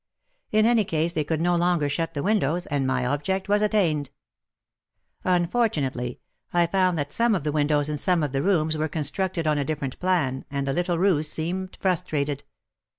In any case they could no longer shut the windows, and my object was attained ! Unfortunately, I found that some of the windows in some of the rooms were constructed on a different plan, and the little ruse seemed frustrated.